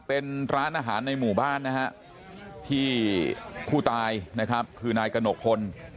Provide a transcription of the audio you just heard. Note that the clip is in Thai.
เป็นร้านอาหารในหมู่บ้านนะฮะที่ผู้ตายนะครับคือนายกระหนกพล